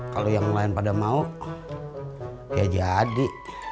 kalau yang lain pada mau ya jadi